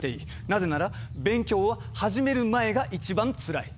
なぜなら勉強は始める前が一番つらい。